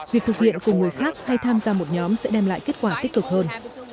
việc thực hiện cùng người khác hay tham gia một nhóm sẽ đem lại kết quả tích cực hơn